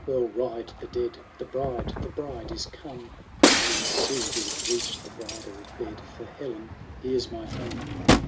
well ride the dead ; The bride, the bride is come ! And soon we reach the bridal bed, Tor, Helen, here's my home."